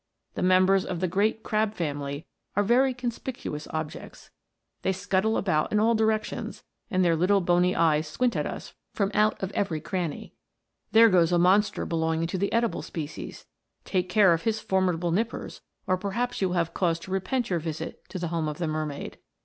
The members of the great crab family are very conspicuous objects. They scuttle about in all directions, and their little bony eyes squint at us from out of every cranny. There goes a monster belonging to the edible species take care of his formidable nippers, or perhaps you will have cause to repent your visit to the home of the mermaid.